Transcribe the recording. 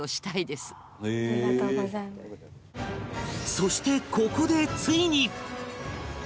そしてここでついに